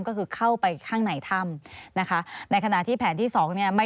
ก็คือเข้าไปข้างในถ้ำนะคะในขณะที่แผนที่สองเนี่ยไม่